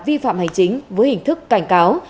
vi phạm hành chính với hình thức cảnh cáo